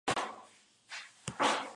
La Chaize-le-Vicomte